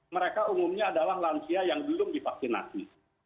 mereka umumnya adalah lansia yang belum divaksinasi